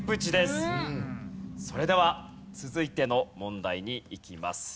それでは続いての問題にいきます。